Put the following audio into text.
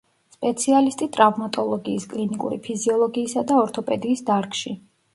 სპეციალისტი ტრავმატოლოგიის, კლინიკური ფიზიოლოგიისა და ორთოპედიის დარგში.